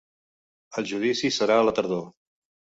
El judici serà a la tardor.